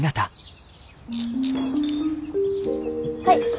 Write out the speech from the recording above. はい。